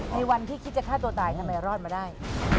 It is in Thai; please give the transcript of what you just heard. ในวันที่คิดจะฆ่าตัวตายทำไมรอดมาได้